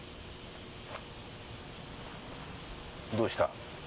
どうした？